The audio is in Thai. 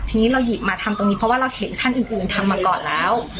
ทีนี้เราหยิบมาทำตรงนี้เพราะว่าเราเห็นท่านอื่นทำมาก่อนแล้ว